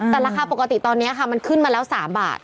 แต่ราคาปกติตอนนี้ค่ะมันขึ้นมาแล้ว๓บาท